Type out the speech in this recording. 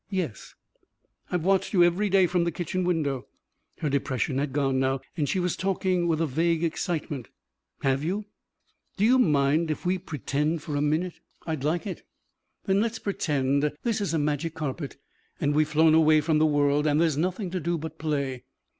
"Yes?" "I've watched you every day from the kitchen window." Her depression had gone now and she was talking with a vague excitement. "Have you?" "Do you mind if we pretend for a minute?" "I'd like it." "Then let's pretend this is a magic carpet and we've flown away from the world and there's nothing to do but play.